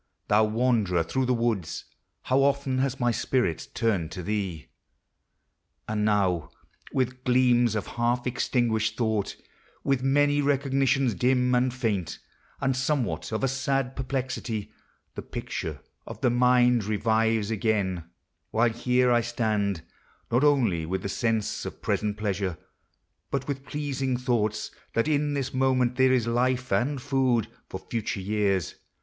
thou wanderer through the woods, How often has my spirit turned to thee! And now, with gleams of half extinguished thought, With many recognitions dim and faint, And somewhat of a sad perplexity, The picture of the mind revives again : While here 1 stand, not only with the sense Of present pleasure, bu1 will' pleasing thoughts That in this moment there is life and food For future years.